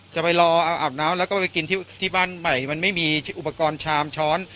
จะไปรอเอาอาบน้ำแล้วก็ไปกินที่บ้านใหม่มันไม่มีอุปกรณ์ชามช้อน